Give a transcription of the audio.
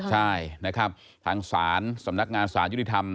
ทางศาลสำนักงานศาลยุทธรรม